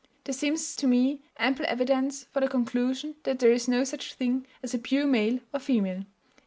There seems to me ample evidence for the conclusion that there is no such thing as a pure male or female."